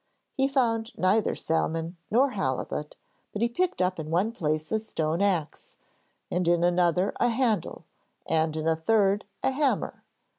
He found neither salmon nor halibut, but he picked up in one place a stone axe, and in another a handle, and in a third a hammer.